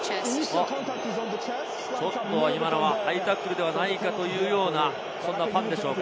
ちょっと今のはハイタックルではないかというような、そんなファンでしょうか。